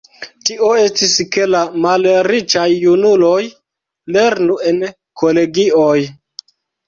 Tio estis, ke la malriĉaj junuloj lernu en kolegioj.